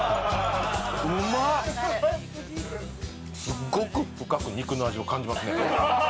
すっごく深く肉の味を感じますね